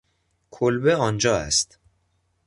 کلبه آنجا است.